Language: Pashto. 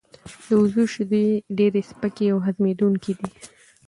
د وزو شیدې ډیر سپکې او هضمېدونکې دي.